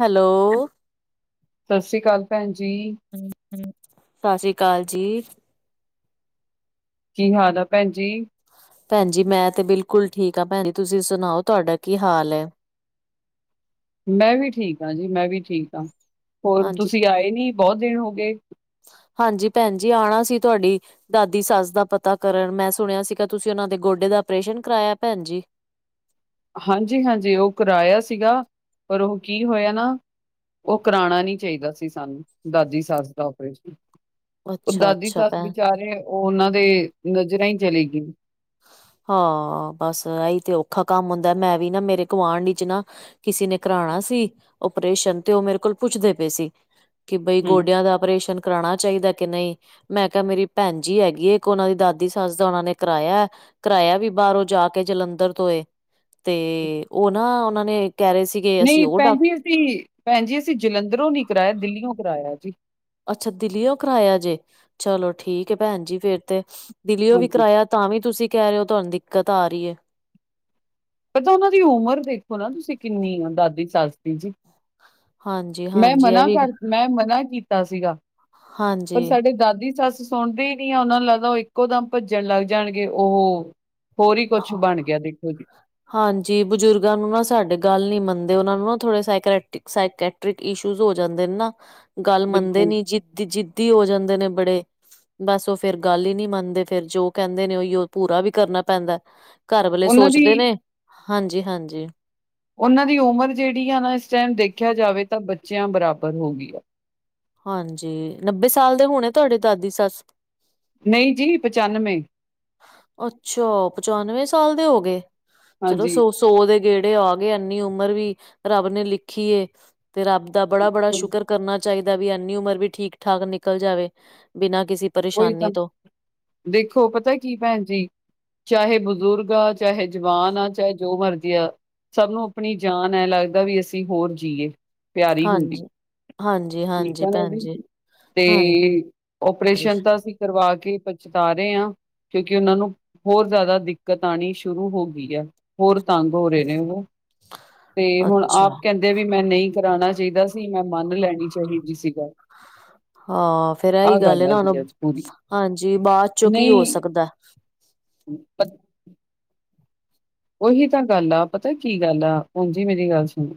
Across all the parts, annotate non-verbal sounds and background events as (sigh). Hello ਸਤਿ ਸ੍ਰੀ ਅਕਾਲ, ਭੈਣ ਜੀ। ਸਤਿ ਸ੍ਰੀ ਅਕਾਲ ਜੀ। ਕੀ, ਹਾਲ ਆ ਭੈਣਜੀ? ਭੈਣ ਜੀ, ਮੈਂ ਤੇ ਬਿਲਕੁਲ ਠੀਕ ਹਾਂ। ਭੈਣ ਜੀ ਤੁਸੀਂ ਸੁਣਾਓ, ਤੁਹਾਡਾ ਕੀ ਹਾਲ ਹੈ? (inaudible) ਮੈਂ ਵੀ ਠੀਕ ਹਾਂ ਜੀ, ਮੈਂ ਵੀ ਠੀਕ ਹਾਂ, ਹੋਰ ਹਾਂਜੀ ਤੁਸੀਂ ਆਏ ਨੀ ਬਹੁਤ ਦੇਨ ਹੋ ਗਏ? ਹਾਂਜੀ ਭੈਣ ਜੀ, ਆਉਣਾ ਸੀ ਤੁਹਾਡੀ ਦਾਦੀ ਸੱਸ ਦਾ ਪਤਾ ਕਰਨ, ਮੈਂ ਸੁਣਿਆ ਸੀਗਾ ਤੁਸੀਂ ਉਹਨਾਂ ਦੇ ਗੋਡੇ ਦਾ ਆਪਰੇਸ਼ਨ ਕਰਾਇਆ ਭੈਣ ਜੀ? ਹਾਂਜੀ- ਹਾਂਜੀ। ਉਹ ਕਰਾਇਆ ਸੀਗਾ ਪਰ ਉਹ ਕੀ ਹੋਇਆ ਨਾ ਉਹ ਕਰਾਣਾ ਨੀ ਚਾਹੀਦਾ ਸੀ ਸਾਨੂੰ। ਦਾਦੀ ਸੱਸ ਦਾ ਓਪਰੇਸ਼ਨ। ਉਹ, ਅੱਛਾ ਦਾਦੀ ਅੱਛਾ ਸੱਸ ਭੈਣ ਵਿਚਾਰੇ, ਉਹ ਉਹਨਾਂ ਦੀ ਨਜ਼ਰਾਂ ਈ ਚਲੀ ਗਈ। ਹਾਂ, ਬਸ ਇਹੀ ਤੇ ਔਖਾ ਕੰਮ ਹੁੰਦੈ, ਮੈਂ ਵੀ ਨਾ ਮੇਰੇ ਗੁਆਂਢ ਚ ਨਾ ਕਿਸੇ ਨੇ ਕਰਾਣਾ ਸੀ, ਓਪਰੇਸ਼ਨ ਤੇ, ਉਹ ਮੇਰੇ ਕੋਲ ਪੁੱਛਦੇ ਪਏ ਸੀ। ਕਿ, ਬਈ ਹੂੰ। ਗੋਡਿਆਂ ਦਾ, ਆਪਰੇਸ਼ਨ। ਕਰਾਣਾ ਚਾਹੀਦਾ ਕਿ ਨਹੀਂ, ਮੈਂ ਕਿਹਾ, ਮੇਰੀ ਭੈਣ ਜੀ ਹੈਗੀ ਏ ਇੱਕ, ਉਹਨਾਂ ਦੀ ਦਾਦੀ ਸੱਸ ਦਾ ਉਹਨਾਂ ਨੇ ਕਰਾਇਆ। ਕਰਾਇਆ ਵੀ ਬਾਹਰੋਂ, ਜਾ ਕੇ ਜਲੰਧਰ ਤੋਂ ਏ। ਤੇ ਉਹ ਨਾ, ਉਹਨਾਂ ਨੇ ਕਹਿ ਰਹੇ ਸੀ। ਨਹੀਂ ਭੈਣ ਜੀ, ਅਸੀਂ ਭੈਣ ਜੀ, ਅਸੀਂ ਜਲੰਧਰੋਂ ਨੀ ਕਰਾਇਆ, ਦਿੱਲੀਓ ਕਰਾਇਆ ਜੀ। ਅੱਛਾ, ਦਿੱਲੀਓ ਕਰਾਇਆ ਜੇ, ਚਲੋ ਠੀਕ ਐ ਭੈਣ ਜੀ, ਫੇਰ ਤੇ ਦਿੱਲੀਓ ਵੀ ਹਾਂਜੀ। ਕਰਾਇਆ ਤਾਂ, ਵੀ ਤੁਸੀ ਕਹਿ ਰਹੇ ਹੋ, ਤੁਹਾਨੂੰ ਦਿੱਕਤ ਆ ਰੀ ਏ। ਪਤਾ ਉਹਨਾਂ ਦੀ ਉਮਰ ਦੇਖੋ ਨਾ, ਤੁਸੀਂ ਕਿੰਨੀ ਆ ਦਾਦੀ ਸੱਸ ਦੀ ਜੀ। ਹਾਂਜੀ ਮੈਂ ਹਾਂਜੀ ਇਹ ਮਨਾ ਵੀ ਕਰ, ਮੈਂ ਮਨਾ ਕੀਤਾ ਸੀਗਾ। ਪਰ ਸਾਡੇ, ਹਾਂਜੀ ਦਾਦੀ ਸੱਸ ਸੁਣਦੇ ਹੀ ਨੀ, ਆ, ਉਹਨਾਂ ਨੂੰ ਲੱਗਦਾ ਉਹ ਇੱਕੋ ਦਮ ਭੱਜਣ ਲੱਗ ਜਾਣਗੇ ਉਹ। ਹੋਰ ਹੀ ਕੁੱਛ ਬਣ ਗਿਆ, ਦੇਖੋ ਜੀ। ਹਾਂਜੀ ਬਜ਼ੁਰਗਾਂ ਨੂੰ, ਨਾ ਸਾਡੇ ਗੱਲ ਨਹੀ ਮੰਨਦੇ, ਉਹਨਾਂ ਨੂੰ ਨਾ ਥੋੜੇ ਸਾਇਕੈਟ -ਸਾਇਕੈਟ ਰਿਕ, ਇਸ਼ੂਸ ਹੋ ਜਾਂਦੇ ਨੇ ਨਾ, ਗੱਲ ਮੰਨਦੇ ਬਿਲਕੁਲ ਨੀ ਜ਼ਿੱਦ, ਜਿੱਦੀ ਹੋ ਜਾਂਦੇ ਨੇ ਬੜੇ। ਬਸ ਉਹ ਫੇਰ ਗੱਲ ਈ ਨੀ ਮੰਨਦੇ, ਫੇਰ ਜੋ ਕਹਿੰਦੇ ਨੇ, ਉਹੀਓ ਪੂਰਾ ਵੀ ਕਰਨਾ ਪੈਂਦਾ। ਘਰ ਵਾਲੇ ਉਹਨਾਂ ਦੀ ਸੋਚਦੇ ਨੇ, ਹਾਂਜੀ- ਹਾਂਜੀ। ਉਹਨਾਂ ਦੀ ਉਮਰ ਜਿਹੜੀ ਆ ਨਾ, ਇਸ ਟੈਮ ਦੇਖਿਆ ਜਾਵੇ ਤਾਂ, ਬੱਚਿਆਂ ਬਰਾਬਰ ਹੋ ਗਈ ਆ। ਹਾਂਜੀ, ਨੱਬੇ ਸਾਲ ਦੇ ਹੋਣੇ ਤੁਹਾਡੇ ਦਾਦੀ ਸੱਸ? ਨਹੀਂ ਜੀ, ਪਚਾਨਵੇਂ। ਅੱਛਾ! ਪਚਾਨਵੇਂ ਸਾਲ ਦੇ ਹੋ ਗਏ ਚਲੋ, ਹਾਂਜੀ ਸੋ ਸੌ ਸੋ ਦੇ ਗੇੜੇ ਆ ਗਏ ਏਨੀ ਉਮਰ ਵੀ ਰੱਬ ਨੇ ਲਿਖੀ ਏ, ਤੇ ਰੱਬ ਦਾ ਬੜਾ- ਬੜਾ ਬਿਲਕੁਲ ਸ਼ੁਕਰ ਕਰਨਾ ਚਾਹੀਦਾ ਵੀ, ਏਨੀ ਉਮਰ ਵੀ ਠੀਕ- ਠਾਕ ਨਿਕਲ ਜਾਵੇ। ਬਿਨਾਂ ਕਿਸੀ ਉਹੀ ਤਾਂ, ਦੇਖੋ ਪਤਾ ਕੀ ਭੈਣ ਜੀ ਚਾਹੇ ਬਜ਼ੁਰਗ ਆ, ਚਾਹੇ ਜਵਾਨ ਆ, ਚਾਹੇ ਜੋ ਮਰਜ਼ੀ ਆ। ਸਭ ਨੂੰ ਆਪਣੀ ਜਾਨ ਐ, ਲੱਗਦਾ ਵੀ ਅਸੀ ਹੋਰ ਜੀਏ। ਪਿਆਰੀ ਹੁੰਦੀ ਹੈ, ਹਾਂਜੀ ਹਾਂਜੀ ਠੀਕ ਹਾਂਜੀ ਹੈ ਨਾ ਭੈਣ ਜੀ। ਤੇ ਹਾਂਜੀ। ਅਪ੍ਰੇਸ਼ਨ ਤਾਂ, ਅਸੀਂ ਕਰਵਾ ਕੇ ਈ ਪਛਤਾ ਰਹੇ ਆ। ਕਿਉਂਕਿ ਉਹਨਾਂ ਨੂੰ, ਹੋਰ ਜਾਦਾ ਦਿੱਕਤ ਆਣੀ ਸ਼ੁਰੂ ਹੋ ਗੀ ਐ। ਹੋਰ ਤੰਗ ਹੋ ਰਹੇ ਨੇ ਉਹ, ਤੇ ਹੁਣ ਅੱਛਾ ਆਪ ਕਹਿੰਦੇ ਕਿ ਵੀ ਮੈਂ ਨਹੀਂ ਕਰਾਣਾ ਚਾਹੀਦਾ ਸੀ, ਮੈਂ ਮੰਨ ਲੈਣੀ ਚਾਹੀਦੀ ਸੀ ਗੱਲ। ਹਾਂ, ਫੇਰ ਏਹੀ ਆਹ ਗੱਲ ਏ ਆ ਨਾ। ਜੀ ਅੱਜ ਪੂਰੀ ਹਾਂਜੀ। ਬਾਅਦ ਚੋਂ ਕੀ ਹੋ ਨਹੀਂ ਸਕਦਾ। (unintelligible) ਉਹੀ ਤਾਂ ਗੱਲ ਆ। ਪਤਾ ਕੀ ਗੱਲ ਆ। ਹਾਂ ਜੀ ਮੇਰੀ ਗੱਲ ਸੁਣੋ।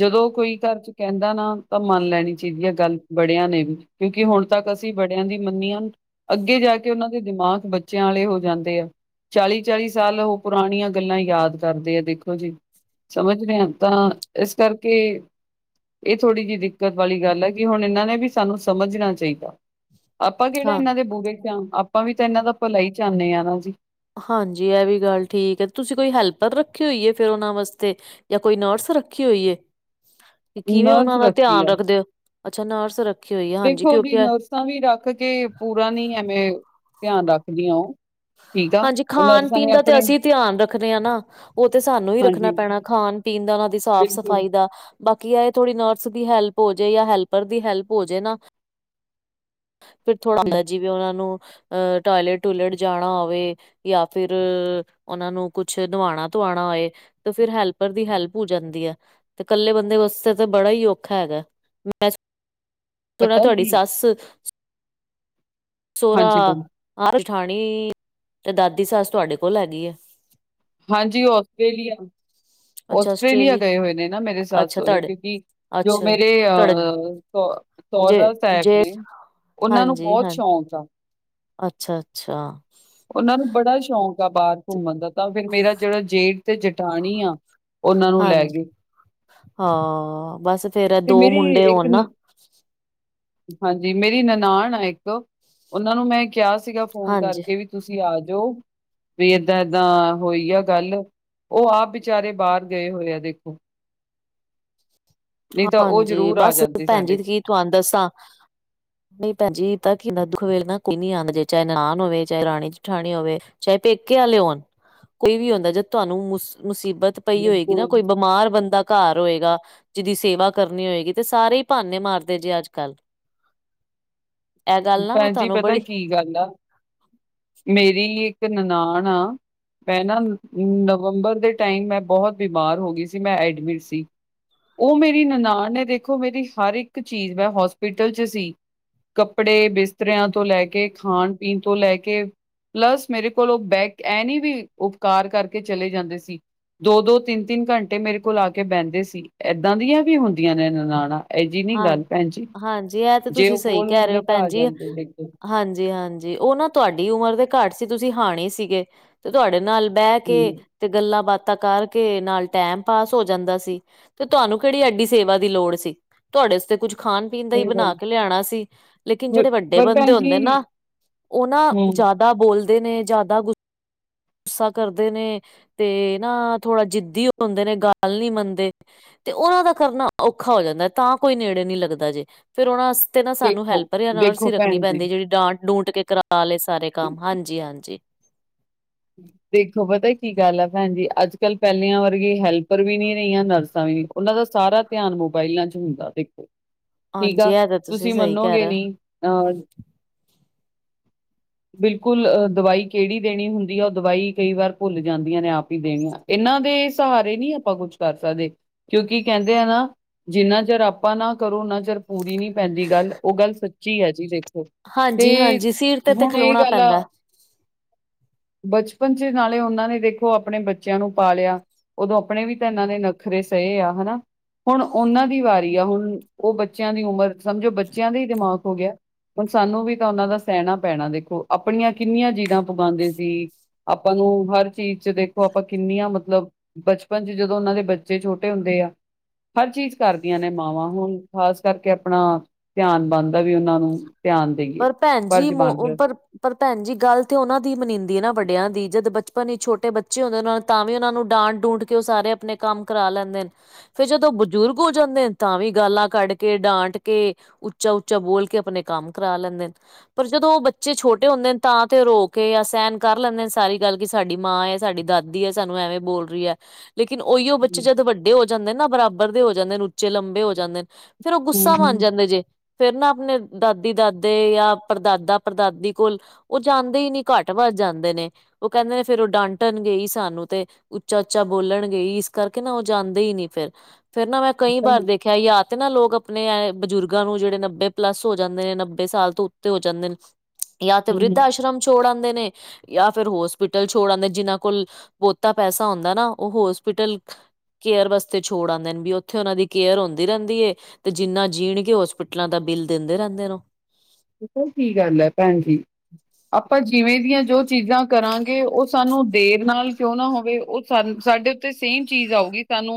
ਜਦੋਂ ਕੋਈ ਘਰ ਚ ਕਹਿੰਦਾ ਨਾ ਤਾਂ ਮੰਨ ਲੈਣੀ ਚਾਹੀਦੀ ਐ ਗੱਲ ਬੜਿਆਂ ਨੇ ਵੀ। ਕਿਉਂਕਿ ਹੁਣ ਤੱਕ ਅਸੀ ਬੜਿਆਂ ਦੀ ਮੰਨੀਆਂ। ਅੱਗੇ ਜਾ ਕੇ ਉਹਨਾਂ ਦੇ ਦਿਮਾਗ ਬੱਚਿਆਂ ਆਲੇ ਹੋ ਜਾਂਦੇ ਆ। ਚਾਲੀ- ਚਾਲੀ ਸਾਲ ਉਹ। ਪੁਰਾਣੀਆਂ ਗੱਲਾਂ, ਯਾਦ ਕਰਦੇ ਆ ਦੇਖੋ ਜੀ। ਸਮਝਦੇ ਹੈ ਤਾਂ ਇਸ ਕਰਕੇ ਇਹ ਥੋੜ੍ਹੀ ਜੀ ਦਿੱਕਤ ਵਾਲੀ ਗੱਲ ਹੈ, ਕਿ ਹੁਣ ਇਹਨਾਂ ਨੇ ਵੀ ਸਾਨੂੰ ਸਮਝਣਾ ਚਾਹੀਦਾ। ਆਪਾਂ ਕਿਹੜਾ ਹਾਂ। ਇਹਨਾਂ ਦੇ ਬੁਰੇ ਚ ਹਾਂ, ਆਪਾਂ ਵੀ ਤਾਂ ਇਹਨਾਂ ਦਾ ਭਲਾ ਹੀ ਚਾਹਨੇ ਆ ਨਾ ਜੀ। ਹਾਂਜੀ, ਇਹ ਵੀ ਗੱਲ ਠੀਕ ਹੈ। ਤੁਸੀਂ ਕੋਈ ਹੈਲਪਰ ਰੱਖੀ ਹੋਈ ਐ, ਫੇਰ ਉਹਨਾਂ ਵਾਸਤੇ? ਜਾਂ, ਕੋਈ ਨਰਸ ਰੱਖੀ ਹੋਈ ਏ? (unintelligible) ਫਿਰ, ਕਿਵੇਂ ਉਹਨਾਂ ਦਾ ਰੱਖੀ ਧਿਆਨ ਆ ਰੱਖਦੇ ਹੋ? ਅੱਛਾ ਨਰਸ ਰੱਖ ਦੇਖੋ ਜੀ ਨਰਸਾਂ ਵੀ ਰੱਖ ਕੇ, ਪੂਰਾ ਨੀ, ਐਵੇਂ ਧਿਆਨ ਰੱਖਦੀਆਂ, ਉਹ। ਠੀਕ ਆ ਹਾਂਜੀ, ਉਹ ਖਾਣ ਨਰਸਾਂ ਨੇ -ਪੀਣ ਦਾ ਤੇ, ਆਪਣੇ ਅਸੀਂ ਧਿਆਨ ਰੱਖਦੇ ਹਾਂ ਨਾ। ਉਹ ਤੇ ਸਾਨੂੰ ਹੀ ਹਾਂਜੀ ਰੱਖਣਾ ਪੈਣਾ। ਖਾਣ ਪੀਣ ਦਾ ਤੇ ਸਾਫ਼ ਬਿਲਕੁਲ ਸਫ਼ਾਈ ਦਾ। ਬਾਕੀ ਐ ਥੋੜ੍ਹੀ ਨਰਸ ਦੀ ਹੈਲਪ ਹੋ ਜੇ ਜਾਂ ਹੈਲਪਰ ਦੀ ਹੈਲਪ ਹੋ ਜੇ ਨਾ। ਫਿਰ ਥੋੜਾ ਹੁੰਦਾ ਜਿਵੇਂ ਉਹਨਾਂ ਨੂੰ ਅਹ ਟੋਇਲੇਟ ਟਇਲੇਟ ਜਾਣਾ ਹੋਵੇ। ਜਾਂ ਫਿਰ ਉਹਨਾਂ ਨੂੰ ਕੁਝ ਨਵਾਉਣਾ ਧਆਉਣਾ ਹੋਏ। ਤੇ ਫਿਰ ਹੈਲਪਰ ਦੀ ਹੈਲਪ ਹੋ ਜਾਂਦੀ ਹੈ। ਕੱਲੇ ਬੰਦੇ ਵਾਸਤੇ ਤਾਂ ਬੜਾ ਹੀ ਔਖਾ ਹੈਗਾ। ਮੈਂ ਸੁਣਿਆ ਪਤਾ ਤੁਹਾਡੀ ਕੀ ਸੱਸ। ਸਹੁਰਾ ਹਾਂਜੀ ਬੋਲੋ ਆਹ ਜਠਾਣੀ ਤੇ ਦਾਦੀ ਸੱਸ ਤੁਹਾਡੇ ਕੋਲ ਹੈਗੇ ਐ ਆ। ਹਾਂ ਜੀ ਉਹ ਆਸਟ੍ਰੇਲੀਆ। ਆਸਟ੍ਰੇਲੀਆ ਗਏ ਹੋਏ ਨੇ ਨਾ ਮੇਰੇ ਸੱਸ ਅੱਛਾ ਸਹੁਰੇ ਤੁਹਾਡੇ ਕਿਉਂਕਿ। ਜੋ ਅੱਛਾ ਮੇਰੇ ਤੁਹਾਡਾ ਅਹ ਜੇ ਸਹੁਰਾ ਸਾਹਿਬ ਜੇ ਨੇ। ਉਹਨਾਂ ਨੂੰ ਹਾਂਜੀ ਬਹੁਤ ਹਾਂ ਸ਼ੌਕ ਆ। ਅੱਛਾ ਅੱਛਾ। ਉਹਨਾਂ ਨੂੰ ਬੜਾ ਸ਼ੌਕ ਆ ਬਾਰ। ਘੁੰਮਣ ਦਾ ਤਾਂ ਫੇਰ ਮੇਰਾ ਜਿਹੜਾ ਜੇਠ ਤੇ ਜਠਾਣੀ ਆ ਉਹਨਾਂ ਨੂੰ ਲੈ ਹਾਂਜੀ ਗੇ। ਹਾਂ ਬਸ ਫੇਰ ਐ ਤੇ ਦੋ ਮੇਰੀ ਮੁੰਡੇ ਹੋਣ ਨਾ। ਹਾਂ ਜੀ ਮੇਰੀ ਨਨਾਣ ਹੈ ਇੱਕ। ਉਹਨਾਂ ਨੂੰ ਮੈਂ ਕਿਹਾ ਸੀ। ਸੀਗਾ ਫੋਨ ਹਾਂਜੀ ਕਰਕੇ ਵੀ ਤੁਸੀਂ ਆ ਜਾਇਓ। ਵੀ ਏਦਾਂ ਏਦਾਂ ਹੋਈ ਆ ਗੱਲ। ਉਹ ਆਪ ਵਿਚਾਰੇ ਬਾਹਰ ਗਏ ਹੋਏ ਆ ਦੇਖੋ। ਨਹੀਂ ਤਾਂ ਹਾਂ ਉਹ ਜੀ ਜ਼ਰੂਰ ਆ ਬਸ ਜਾਂਦੇ ਭੈਣ ਸਾਡੇ ਜੀ ਕੋਲ ਕੀ ਤੁਹਾਨੂੰ ਦੱਸਾਂ। (inaudible) ਨਹੀਂ ਭੈਣ ਜੀ ਤਾਂ ਕਿਦਾ ਦੁੱਖ ਵੇਲੇ ਨਾ ਕੋਈ ਨੀ ਆਂ ਜੇ ਚਾਹੇ ਨਨਾਣ ਹੋਵੇ ਚਾਹੇ ਦਰਾਣੀ ਜਠਾਣੀ ਹੋਵੇ। ਚਾਹੇ ਪੇਕੇ ਵਾਲੇ ਹੋਣ ਕੋਈ ਵੀ ਹੁੰਦਾ। ਜਦ ਤੁਹਾਨੂੰ ਮੁਸੀਬਤ। ਪਈ ਹੋਏਗੀ ਨਾ। ਬਿਲਕੁਲ ਕੋਈ ਬਿਮਾਰ ਬੰਦਾ ਘਰ ਹੋਏਗਾ। ਜਿਹਦੀ ਸੇਵਾ ਕਰਨੀ ਹੋਏਗੀ ਤੇ ਸਾਰੇ ਹੀ ਬਹਾਨੇ ਮਾਰਦੇ ਜੇ ਅੱਜ ਕੱਲ੍ਹ। ਨਾ ਮੈਂ ਭੈਣ ਜੀ ਤੁਹਾਨੂੰ ਪਤਾ ਬੜੀ ਕੀ ਗੱਲ ਆ। ਮੇਰੀ ਇੱਕ ਨਨਾਣ ਆ। ਮੈਂ ਨਾ ਨਵੰਬਰ ਦੇ ਟਾਈਮ ਮੈਂ ਬਹੁਤ ਬਿਮਾਰ ਹੋ ਗਈ ਸੀ। ਮੈਂ ਐਡਮਿਟ ਸੀ। ਉਹ ਮੇਰੀ ਨਨਾਨ ਨੇ ਦੇਖੋ। ਮੇਰੀ ਹਰ ਇੱਕ ਚੀਜ਼ ਮੈਂ ਹੋਸਪਿਟਲ 'ਚ ਸੀ। ਕੱਪੜੇ ਬਿਸਤਰਿਆਂ ਤੋਂ ਲੈ ਕੇ, ਖਾਣ ਪੀਣ ਤੋਂ ਲੈ ਕੇ। ਪਲੱਸ ਮੇਰੇ ਕੋਲ ਉਹ ਬੈਗ। ਐ ਨੀ ਵੀ ਉਪਕਾਰ ਕਰਕੇ ਚਲੇ ਜਾਂਦੇ ਸੀ। ਦੋ-ਦੋ ਤਿੰਨ-ਤਿੰਨ ਘੰਟੇ ਮੇਰੇ ਕੋਲ ਆ ਕੇ ਬਹਿੰਦੇ ਸੀ। ਇੱਦਾਂ ਦੀਆਂ ਵੀ ਹੁੰਦੀਆਂ ਨੇ ਨਨਾਣਾਂ। ਇਹ ਨੀ ਹਾਂ ਜੀ ਗੱਲ ਭੈਣ ਹਾਂ ਜੀ ਇਹ ਤੇ ਜੇ ਤੁਸੀਂ ਉਹ ਸਹੀ ਕੋਲ ਕਹਿ ਰਹੇ ਹੁੰਦੇ ਹੋ। ਤਾਂ ਭੈਣ ਆ ਜੀ ਜਾਂਦੇ ਦੇਖੋ ਹਾਂ ਜੀ ਹਾਂ ਜੀ ਉਹ ਨਾ ਤੁਹਾਡੀ ਉਮਰ ਦੇ ਘੱਟ ਸੀ। ਤੁਸੀਂ ਹਾਣੀ ਸੀਗੇ। ਤੇ ਤੁਹਾਡੇ ਨਾਲ ਬਹਿ ਕੇ ਹੂੰ ਤੇ ਗੱਲਾਂ ਬਾਤਾਂ ਕਰਕੇ ਨਾਲ ਟਾਈਮ ਪਾਸ ਹੋ ਜਾਂਦਾ ਸੀ। ਤੇ ਤੁਹਾਨੂੰ ਕਿਹੜੀ ਐਡੀ ਸੇਵਾ ਦੀ ਲੋੜ ਸੀ। ਤੁਹਾਡੇ ਵਾਸਤੇ ਕੁੱਝ ਖਾਣ। ਪੀਣ ਦਾ ਹੀ ਸਹੀ ਬਣਾ ਗੱਲ ਕੇ ਲਿਆਉਣਾ ਸੀ। ਲੇਕਿਨ ਪਰ ਜਿਹੜੇ ਵੱਡੇ ਪਰ ਬੰਦੇ ਭੈਣ ਜੀ ਹੁੰਦੇ ਨਾ, ਉਹ ਨਾ ਹੂੰ ਜ਼ਿਆਦਾ। ਬੋਲਦੇ ਨੇ ਜ਼ਿਆਦਾ ਕੁਝ। ਗੁੱਸਾ ਕਰਦੇ ਨੇ ਤੇ ਨਾ ਥੋੜਾ ਜਿੱਦੀ ਹੁੰਦੇ ਨੇ ਗੱਲ ਨੀ ਮੰਨਦੇ। ਤੇ ਉਹਨਾਂ ਦਾ ਕਰਨਾ ਔਖਾ ਹੋ ਜਾਂਦਾ ਤਾਂ ਕੋਈ ਨੇੜੇ ਨਹੀਂ ਲੱਗਦਾ ਜੇ। ਫੇਰ ਉਹਨਾ ਵਾਸਤੇ ਨਾ ਸਾਨੂੰ ਦੇਖੋ, ਹੈਲਪਰ ਜਾਂ ਨਰਸ ਦੇਖੋ ਹੀ ਰੱਖਣੀ ਭੈਣ ਜੀ ਪੈਂਦੀ ਹੈ। ਜਿਹੜੀ ਡਾਂਟ ਡੂੰਟ ਕੇ ਕਰਾ। ਕਰਾਲੇ ਸਾਰੇ ਕੰਮ ਹਾਂਜੀ ਹਾਂਜੀ। ਦੇਖੋ ਪਤਾ ਕੀ ਗੱਲ ਆ ਭੈਣ ਜੀ ਅੱਜ ਕੱਲ ਪਹਿਲਿਆਂ ਵਰਗੇ ਹੈਲਪਰ ਵੀ ਨੀ ਰਹੀਆਂ ਨਰਸਾਂ ਵੀ ਨਹੀਂ। ਉਹਨਾਂ ਦਾ ਸਾਰਾ ਧਿਆਨ ਮੋਬਾਇਲਾਂ 'ਚ ਹੁੰਦਾ, ਦੇਖੋ। ਠੀਕ ਹਾਂਜੀ ਆ ਇਹ ਤਾਂ ਤੁਸੀਂ ਸਹੀ ਕਹਿ ਮੰਨੋਗੇ ਰਹੇ ਨਹੀਂ। ਅਹ। ਬਿਲਕੁਲ ਅਹ ਦਵਾਈ ਕਿਹੜੀ ਦੇਣੀ ਹੁੰਦੀ ਹੈ। ਉਹ ਦਵਾਈ ਕਈ ਵਾਰ ਭੁੱਲ ਜਾਂਦੀਆਂ ਨੇ ਆਪ ਹੀ ਦੇਣੀਆਂ। ਇਹਨਾਂ ਦੇ ਸਹਾਰੇ ਨੀ ਆਪਾਂ ਕੁਝ ਕਰ ਸਕਦੇ। ਕਿਉਂਕਿ ਕਹਿੰਦੇ ਆ ਨਾ। ਜਿੰਨਾ ਚਿਰ ਆਪਾਂ ਨਾ ਕਰੋ, ਉਨਾ ਚਿਰ ਪੂਰੀ ਨੀ ਪੈਂਦੀ ਗੱਲ। ਉਹ ਗੱਲ ਸੱਚੀ ਹੈ ਜੀ ਦੇਖੋ। ਹੋ ਤੇ ਹਾਂਜੀ ਹਾਂਜੀ ਸੀਟ ਤੇ ਤੇ ਹੁਣ ਇਹ ਖਲੋਣਾ ਗੱਲ ਆ। ਪੈਂਦਾ ਬਚਪਨ ਚ ਨਾਲੇ ਉਹਨਾਂ ਨੇ ਦੇਖੋ ਆਪਣੇ ਬੱਚਿਆਂ ਨੂੰ ਪਾਲਿਆ। ਉਦੋਂ ਆਪਣੇ ਵੀ ਤਾਂ ਇਹਨਾਂ ਦੇ ਨਖਰੇ ਸਹੇ ਆ। ਹਨਾ। ਹੁਣ ਉਹਨਾਂ ਦੀ ਵਾਰੀ ਆ। ਹੁਣ ਉਹ ਬੱਚਿਆਂ ਦੀ ਉਮਰ ਸਮਝੋ। ਬੱਚਿਆਂ ਦਾ ਹੀ ਦਿਮਾਗ ਹੋ ਗਿਆ। ਹੁਣ ਸਾਨੂੰ ਵੀ ਤਾਂ ਉਹਨਾਂ ਦਾ ਸਹਿਣਾ ਪੈਣਾ ਦੇਖੋ। ਆਪਣੀਆਂ ਕਿੰਨੀਆਂ ਜਿੱਦਾ ਪਾਗੁੰਦੇ ਸੀ। ਆਪਾਂ ਨੂੰ ਹਰ ਚੀਜ਼ ਚ ਦੇਖੋ। ਆਪਾਂ ਕਿੰਨੀਆਂ ਮਤਲਬ। ਬਚਪਨ ' ਜਦੋਂ ਉਹਨਾਂ ਦੇ ਬੱਚੇ ਛੋਟੇ ਹੁੰਦੇ ਆ ਹਰ ਚੀਜ਼ ਕਰਦੀਆਂ ਨੇ ਮਾਵਾਂ ਹੁਣ ਖ਼ਾਸ ਕਰਕੇ ਆਪਣਾ ਧਿਆਨ ਬਣਦਾ ਵੀ ਉਹਨਾਂ ਨੂੰ ਧਿਆਨ ਦੇਈਏ। ਪਰ ਭੈਣ ਜੀ ਫਰਜ਼ ਮ ਬਣਦਾ ਹੂੰ, ਪਰ ਪਰ ਭੈਣ ਜੀ ਗੱਲ ਤੇ ਉਹਨਾਂ ਦੀ ਮਨੀਿੰਂਦੀ ਨਾ ਵੱਡਿਆਂ ਦੀ ਜਦ ਬੱਚ ਆਪਣੀ ਛੋਟੇ ਬੱਚੇ ਹੁੰਦੇ ਨੇ ਉਹ ਨੂੰ ਤਾਂ ਵੀ ਉਹਨਾਂ ਨੂੰ ਡਾਂਟ ਡੂੰਡ ਕੇ ਉਹ ਸਾਰੇ ਆਪਣੇ ਕੰਮ ਕਰਾ ਲੈਂਦੇ ਨੇ ਫੇਰ ਜਦੋਂ ਬਜ਼ੁਰਗ ਹੋ ਜਾਂਦੇ ਨੇ ਤਾਂ ਵੀ ਗਾਲਾਂ ਕੱਢ ਕੇ ਡਾਂਟ ਕੇ ਉੱਚਾ ਉੱਚਾ ਬੋਲ ਕੇ ਆਪਣੇ ਕੰਮ ਕਰਾ ਲੈਂਦੇ ਨੇ। ਪਰ ਜਦੋਂ ਉਹ ਬੱਚੇ ਛੋਟੇ ਹੁੰਦੇ ਨੇ ਤਾਂ ਤੇ ਰੋ ਕੇ ਜਾਂ ਸਹਿਣ ਕਰ ਲੈਂਦੇ ਨੇ ਸਾਰੀ ਗੱਲ ਕਿ ਸਾਡੀ ਮਾਂ ਹੈ ਸਾਡੀ ਦਾਦੀ ਵੱਡੀ ਹੈ ਸਾਨੂੰ ਐਵੇਂ ਬੋਲ ਰਹੀ ਹੈ ਲੇਕਿਨ ਉਹੀਓ ਬੱਚੇ ਹੂੰ, ਜਦ ਵੱਡੇ ਹੋ ਜਾਂਦੇ ਨੇ ਨਾ ਬਰਾਬਰ ਦੇ ਹੋ ਜਾਂਦੇ ਨੇ ਉੱਚੇ ਲੰਬੇ ਹੋ ਜਾਂਦੇ ਨੇ। ਫੇਰ ਉਹ ਹੂੰ ਗੁੱਸਾ ਮੰਨ ਜਾਂਦੇ ਜੇ ਫੇਰ ਨਾ ਆਪਣੇ। ਦਾਦੀ ਦਾਦੇ ਜਾਂ ਪੜਦਾਦਾ ਪੜਦਾਦੀ ਕੋਲ ਉਹ ਜਾਂਦੇ ਹੀ ਨਹੀਂ ਘੱਟ ਵੱਧ ਹੀ ਜਾਂਦੇ ਨੇ। ਉਹ ਕਹਿੰਦੇ ਨੇ ਫੇਰ ਉਹ ਡਾਂਟਣ ਗਏ ਹੀ ਸਾਨੂੰ ਤੇ। ਉੱਚਾ ਉੱਚਾ ਬੋਲਣਗੇ ਇਸ ਕਰਕੇ ਨਾ ਉਹ ਜਾਂਦੇ ਹੀ ਨਹੀਂ ਫਿਰ। ਫੇਰ ਨਾ ਮੈਂ ਕਈ ਵਾਰ ਹੂੰ, ਦੇਖਿਆ ਜਾ ਤੇ ਨਾ ਲੋਕ ਆਪਣੇ ਬਜ਼ੁਰਗਾਂ ਨੂੰ ਜਿਹੜੇ ਨੱਬੇ ਪਲੱਸ ਹੋ ਜਾਂਦੇ। ਨੇ ਨੱਬੇ ਸਾਲ ਤੋਂ ਉੱਤੇ ਹੋ ਜਾਂਦੇ ਨੇ ਜਾਂ ਤੇ ਹੂੰ। ਵਿਰਿੱੱਧ ਆਸ਼ਰਮ ਛੋੜ ਆਉਂਦੇ ਨੇ। ਜਾਂ ਫਿਰ ਹੋਸਪਿਟਲ ਛੋੜਾਂਦੇ ਜਿਨਾਂ ਕੋਲ ਬਹੁਤਾ ਪੈਸਾ ਹੁੰਦਾ ਨਾ ਉਹ ਹੋਸਪਿਟਲ ਕੇਅਰ ਵਾਸਤੇ ਛੋੜ ਆਉਂਦੇ ਨੇ ਵੀ ਉੱਥੇ ਉਹਨਾਂ ਦੀ ਕੇਅਰ ਹੁੰਦੀ ਰਹਿੰਦੀ ਤੇ ਜਿੰਨਾ ਜੀਣ ਕੇ ਹੋਸਪਿਟਲਾਂ ਦਾ ਬਿੱਲ ਦਿੰਦੇ ਰਹਿੰਦੇ ਨੇ ਪਤਾ ਕੀ ਗੱਲ ਹੈ ਭੈਣ ਜੀ ਆਪਾਂ ਜਿਵੇਂ ਦੀਆਂ ਜੋ ਚੀਜ਼ਾਂ ਕਰਾਂਗੇ ਉਹ ਸਾਨੂੰ ਦੇਰ ਨਾਲ ਕਿਉਂ ਨਾ ਹੋਵੇ ਉਹ ਸ ਸਾਡੇ ਸੇਮ ਚੀਜ਼ ਆਊਗੀ ਸਾਨੂੰ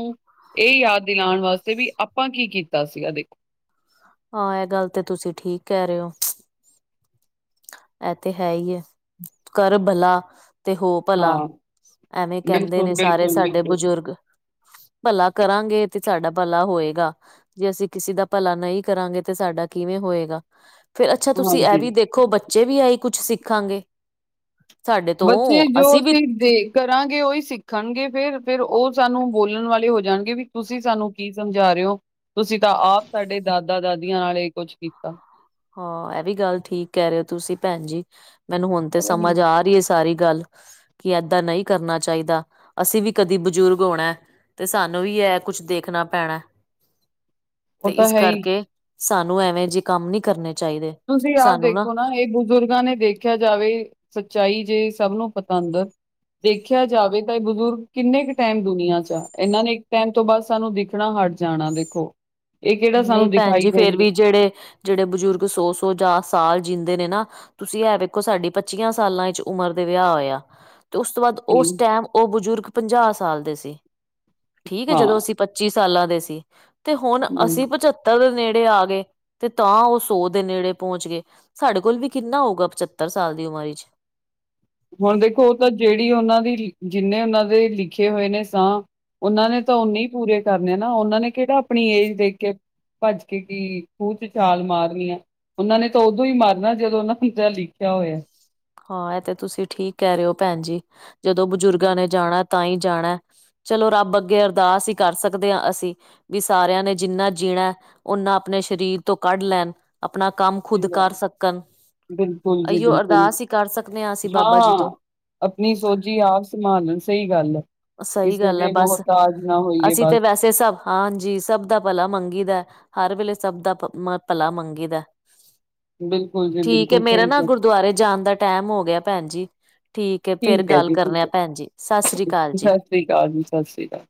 ਇਹ ਯਾਦ ਦਿਲਾਉਣ ਵਾਸਤੇ ਵੀ ਆਪਾਂ ਕੀ ਕੀਤਾ ਸੀਗਾ ਦੇਖੋ ਹਾਂ ਇਹ ਗੱਲ ਤੇ ਤੁਸੀਂ ਠੀਕ ਕਹਿ ਰਹੇ ਹੋ। ਇਹ ਤੇ ਹੈ ਹੀ ਹੈ ਕਰ ਭਲਾ ਤੇ ਹੋ ਭਲਾ ਹਾਂ ਐਵੇਂ ਕਹਿੰਦੇ ਬਿਲਕੁਲ ਨੇ ਸਾਰੇ ਬਿਲਕੁਲ ਸਾਡੇ ਬਿਲਕੁਲ ਬਜ਼ੁਰਗ ਭਲਾ ਕਰਾਂਗੇ ਤੇ ਸਾਡਾ ਭਲਾ ਹੋਏਗਾ ਜੇ ਅਸੀਂ ਕਿਸੇ ਦਾ ਭਲਾ ਨਹੀਂ ਕਰਾਂਗੇ ਤੇ ਸਾਡਾ ਕਿਵੇਂ ਹੋਏਗਾ ਫਿਰ ਅੱਛਾ ਤੁਸੀਂ ਇਹ ਹਾਂਜੀ ਵੀ ਦੇਖੋ ਬੱਚੇ ਵੀ ਆ ਹੀ ਕੁਛ ਸਿੱਖਾਂਗੇ ਸਾਡੇ ਤੋਂ ਬੱਚੇ ਜੋ ਅਸੀਂ ਵੀ ਸੀ ਦੇਖ ਕਰਾਂਗੇ ਉਹੀ ਸਿੱਖਣਗੇ ਫੇਿਰ ਫਿਰ ਉਹ ਸਾਨੂੰ ਬੋਲਣ ਵਾਲੇ ਹੋ ਜਾਣਗੇ ਵੀ ਤੁਸੀਂ ਸਾਨੂੰ ਕੀ ਸਮਝਾ ਰਹੇ ਹੋ ਤੁਸੀਂ ਤਾਂ ਆਪ ਸਾਡੇ ਦਾਦਾ ਦਾਦੀਆਂ ਨਾਲ ਇਹ ਕੁਛ ਕੀਤਾ ਹਾਂ ਇਹ ਵੀ ਗੱਲ ਠੀਕ ਕਹਿ ਰਹੇ ਹੋ ਤੁਸੀਂ ਭੈਣ ਜੀ ਮੈਨੂੰ ਹੁਣ ਤੇ ਸਮਝ ਆ ਰਹੀ ਹੈ ਸਾਰੀ ਗੱਲ ਕੀ ਏਦਾਂ ਨਹੀਂ ਕਰਨਾ ਚਾਹੀਦਾ ਅਸੀਂ ਵੀ ਕਦੀ ਬਜ਼ੁਰਗ ਹੋਣਾ ਤੇ ਸਾਨੂੰ ਵੀ ਇਹ ਕੁਛ ਦੇਖਣਾ ਪੈਣਾ ਉਹ ਤੇ ਤਾਂ ਇਸ ਹੈ ਹੀ ਕਰਕੇ ਸਾਨੂੰ ਐਵੇਂ ਜਿਹੇ ਕੰਮ ਨਹੀਂ ਕਰਨੇ ਚਾਹੀਦੇ ਤੁਸੀਂ ਆਪ ਦੇਖੋ ਨਾ ਇਹ ਬਜ਼ੁਰਗਾਂ ਨੇ ਦੇਖ ਦੇਖਿਆ ਜਾਵੇ ਸੱਚਾਈ ਜੇ ਸਭ ਨੂੰ ਪਤਾ ਅੰਦਰ ਦੇਖਿਆ ਜਾਵੇ ਤਾਂ ਇਹ ਬਜ਼ੁਰਗ ਕਿੰਨੇ ਕੁ ਟਾਈਮ ਦੁਨੀਆਂ ਚ ਆ ਇਹਨਾਂ ਨੇ ਇੱਕ ਟਾਈਮ ਤੋਂ ਬਾਅਦ ਸਾਨੂੰ ਦੇਖ਼ ਹਟ ਜਾਣਾ ਦੇਖੋ ਇਹ ਕਿਹੜਾ ਨਹੀਂ ਸਾਨੂੰ ਭੈਣ ਦਿਖਾਈ ਜੀ ਫੇਰ ਦੇਣਗੇ ਵੀ ਜਿਹੜੇ ਜਿਹੜੇ ਬਜ਼ੁਰਗ ਸੌ ਸੌ ਜਾਂ ਸਾਲ ਜੀਂਦੇ ਨੇ ਨਾ ਤੁਸੀਂ ਐ ਵੇਖੋ ਸਾਡੀ ਪੱਚੀਆਂ ਸਾਲਾਂ ਵਿੱਚ ਉਮਰ ਦੇ ਵਿਆਹ ਹੋਇਆ ਤੇ ਉਸ ਤੋਂ ਬਾਅਦ ਉਸ ਹੂੰ ਟਾਈਮ ਉਹ ਬਜ਼ੁਰਗ ਪੰਜਾਹ ਸਾਲ ਦੇ ਸੀ ਠੀਕ ਹੈ ਹਾਂ ਜਦੋਂ ਅਸੀਂ ਪੱਚੀ ਸਾਲਾਂ ਦੇ ਸੀ ਤੇ ਹੁਣ ਹੂੰ ਅਸੀਂ ਪਚੱ ਪੱਤਾ ਦੇ ਨੇੜੇ ਆ ਗਏ ਤੇ ਤਾਂ ਉਹ ਸੌ ਦੇ ਨੇੜੇ ਪਹੁੰਚ ਗਏ ਸਾਡੇ ਕੋਲ ਵੀ ਕਿੰਨਾ ਹੋਊਗਾ ਪਚੱਤਰ ਸਾਲ ਦੀ ਉਮਰ ਵਿਚ ਹੁਣ ਦੇਖੋ ਉਹ ਤਾਂ ਜਿਹੜੀ ਉਹਨਾਂ ਦੀ ਜਿੰਨੇ ਉਹਨਾਂ ਦੇ ਲਿਖੇ ਹੋਏ ਨੇ ਸਾਹ ਉਹਨਾਂ ਨੇ ਤਾਂ ਨੇ ਹੀ ਪੂਰੇ ਕਰਨੇ ਨਾ ਉਹਨਾਂ ਨੇ ਕਿਹੜਾ ਆਪਣੀ ਏਜ ਦੇਖ ਕੇ ਭੱਜ ਕੇ ਕੀ ਖੂਹ ਚ ਛਾਲ ਮਾਰਨੀ। ਉਹਨਾਂ ਨੇ ਤਾਂ ਉਦੋਂ ਹੀ ਮਾਰਨਾ ਜਦੋਂ ਉਹਨਾਂ ਨੂੰ ਲਿਖਿਆ ਹੋਇਆ ਹਾਂ ਇਹ ਤੇ ਤੁਸੀਂ ਠੀਕ ਕਹਿ ਰਹੇ ਹੋ ਭੈਣ ਜੀ ਜਦੋਂ ਬਜ਼ੁਰਗਾਂ ਨੇ ਸਹੀ ਜਾਣਾ ਤਾਂ ਹੀ ਜਾਣਾ। ਚਲੋ ਰੱਬ ਅੱਗੇ ਅਰਦਾਸ ਹੀ ਕਰ ਸਕਦੇ ਹਾਂ ਅਸੀਂ ਵੀ ਸਾਰਿਆਂ ਨੇ ਜਿੰਨਾ ਜੀਣਾ ਓਨਾ ਆਪਣੇ ਸਰੀਰ ਤੋਂ ਕੱਢ ਲੈਣ ਆਪਣਾ ਕੰਮ ਖੁਦ ਗੱਲ ਕਰ ਸਕਣ ਬਿਲਕੁਲ ਜੀ ਇਹ ਬਿਲਕੁਲ, ਅਰਦਾਸ ਕਰ ਸਕਦੇ ਹਾਂ ਅਸੀਂ ਬਾਬਾ ਜੀ ਹਾਂ ਤੋਂ ਆਪਣੀ ਸੋਜੀ ਆਪ ਸੰਭਾਲਣ ਸਹੀ ਗੱਲ ਹੈ ਸਹੀ ਕਿਸੇ ਦੇ ਮੁਹਤਾਜ ਨਾ ਹੋਈਏ ਬਸ। ਅਤੇ ਸਭ ਹਾਂਜੀ ਸਭ ਦਾ ਭਲਾ ਮੰਗੀ ਦਾ ਹਰ ਵੇਲੇ ਸਭ ਦਾ ਭਲਾ ਮੰਗੀ ਦਾ ਬਿਲਕੁਲ ਜੀ ਠੀਕ ਹੈ ਬਿਲਕੁਲ ਮੇਰਾ ਸਹੀ ਨਾ ਕਿਹਾ, ਗੁਰਦੁਆਰੇ ਜਾਣ ਦਾ ਟਾਈਮ ਹੋ ਗਿਆ ਭੈਣ ਜੀ ਠੀਕ ਫੇਰ ਐ ਗੱਲ ਜੀ ਕਰਨੇ ਠੀਕ ਆ ਐ, ਭੈਣ ਜੀ ਸਤਿ ਸ੍ਰੀ ਅਕਾਲ ਜੀ ਸਤਿ ਸ਼੍ਰੀ ਅਕਾਲ ਜੀ ਸਤਿ ਸ਼੍ਰੀ ਅਕਾਲ